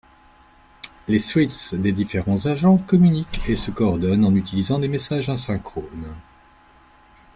Les threads des différents agents communiquent et se coordonnent en utilisant des messages asynchrones.